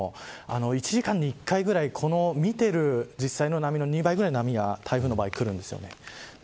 １時間に１回ぐらい見ている実際の波の２倍ぐらいの波が台風の場合は来るんです。